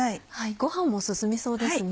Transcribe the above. ご飯も進みそうですね。